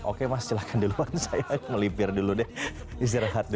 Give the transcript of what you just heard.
oke mas silahkan duluan saya melipir dulu deh istirahat dulu